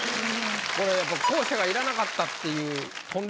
これやっぱ校舎がいらなかったっていう。